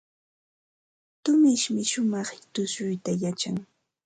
Tumishmi shumaq tushuyta yachan.